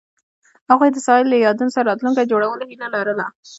هغوی د ساحل له یادونو سره راتلونکی جوړولو هیله لرله.